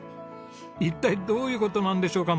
一体どういう事なんでしょうか？